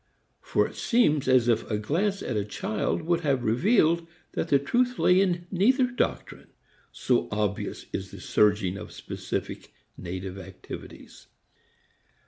For it seems as if a glance at a child would have revealed that the truth lay in neither doctrine, so obvious is the surging of specific native activities.